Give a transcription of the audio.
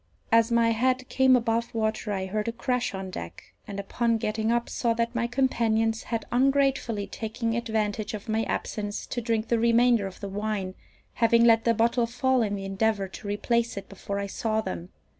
As my head came above water I heard a crash on deck, and, upon getting up, saw that my companions had ungratefully taken advantage of my absence to drink the remainder of the wine, having let the bottle fall in the endeavour to replace it before I saw them.